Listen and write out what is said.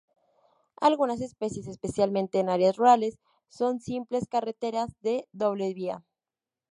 Algunas, especialmente en áreas rurales, son simples carreteras de doble vía.